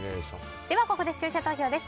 ここで、視聴者投票です。